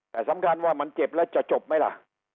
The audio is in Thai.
แต่สำคัญว่ามันเจ็บแล้วจะจบไหมล่ะ